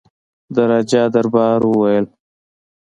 د راجا دربار وویل.